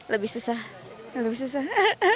lebih susah lebih susah